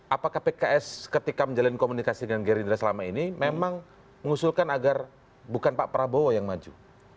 apakah pks ketika menjalin komunikasi dengan gerindra selama ini memang mengusulkan agar bukan pak prabowo yang maju